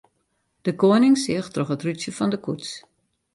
De koaning seach troch it rútsje fan de koets.